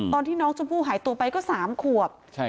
ตอนที่น้องชมพู่หายตัวไปก็๓ขวบ